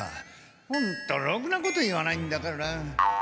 ホントろくなこと言わないんだから。